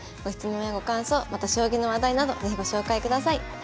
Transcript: ご質問やご感想また将棋の話題など是非ご紹介ください。